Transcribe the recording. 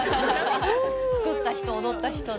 作った人踊った人で。